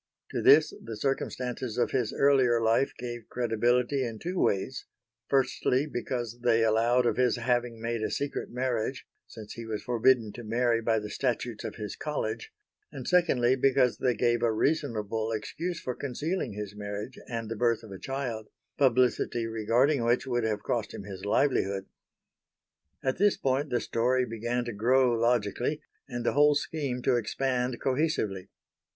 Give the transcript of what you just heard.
To this the circumstances of his earlier life gave credibility in two ways; firstly because they allowed of his having made a secret marriage, since he was forbidden to marry by the statutes of his college, and secondly because they gave a reasonable excuse for concealing his marriage and the birth of a child, publicity regarding which would have cost him his livelihood. At this point the story began to grow logically, and the whole scheme to expand cohesively.